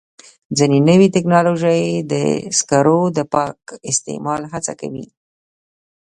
ځینې نوې ټکنالوژۍ د سکرو د پاک استعمال هڅه کوي.